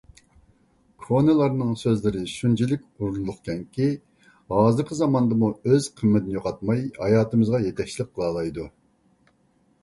كونىلارنىڭ سۆزلىرى شۇنچىلىك ئورۇنلۇقكەنكى، ھازىرقى زاماندىمۇ ئۆز قىممىتىنى يوقاتماي، ھاياتىمىزغا يېتەكچىلىك قىلالايدۇ.